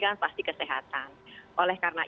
kan pasti kesehatan oleh karena